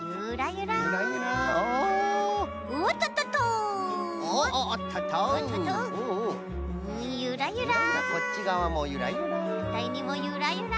ゆらゆら。